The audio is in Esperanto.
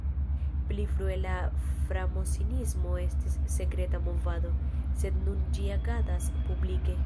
Pli frue la framasonismo estis sekreta movado, sed nun ĝi agadas publike.